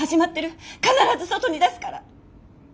必ず外に出すから！